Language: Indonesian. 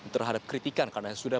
terhadap kritikan karena sudah